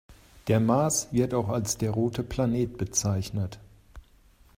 Der Mars wird auch als der „rote Planet“ bezeichnet.